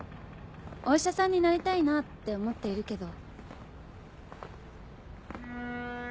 お医者さんになりたいなぁって思っているけど。